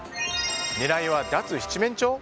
狙いは脱七面鳥？